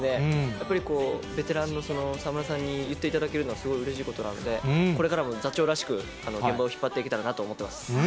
やっぱりベテランの沢村さんに言っていただけるのは、すごいうれしいことなので、これからも座長らしく、現場を引っ張っていけたらなと思っています。